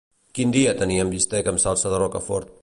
Quin dia teníem bistec amb salsa de rocafort?